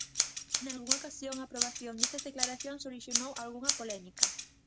Nalgunha ocasión a aprobación destas declaracións orixinou algunha polémica.